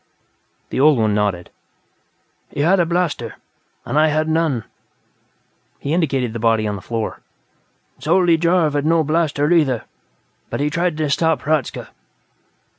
The old one nodded. "He had a blaster, and I had none." He indicated the body on the floor. "Zoldy Jarv had no blaster, either, but he tried to stop Hradzka.